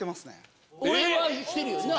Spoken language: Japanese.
俺はしてるよな。